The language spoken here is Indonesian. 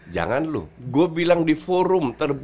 jangan lu gue bilang di forum